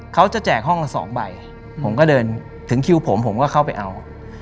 แจกห้องละ๒ใบผมก็เดินถึงคิวผมผมก็เข้าไปเอา